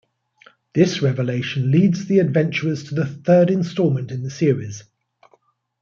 This revelation leads the adventurers to the third installment in the series.